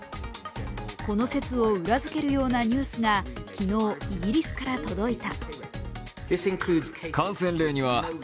この説を裏付けるようなニュースが昨日、イギリスから届いた。